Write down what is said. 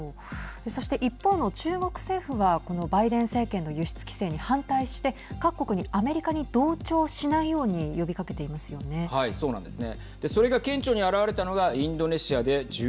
そして、一方の中国政府はこのバイデン政権の輸出規制に反対して各国にアメリカに同調しないように呼びかけていますよね。